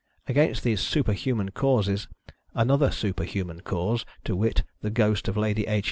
Against these superhuman causes, another superhuman cause, to wit, the ghost of Lady H.'